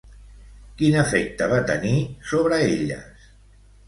Quin efecte va tenir sobre elles?